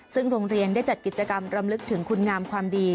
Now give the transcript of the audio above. ซึ่งโรงเรียนได้จัดกิจกรรมรำลึกถึงคุณงามความดี